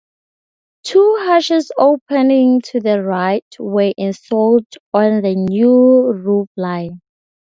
Two hatches opening to the right were installed on the new roofline.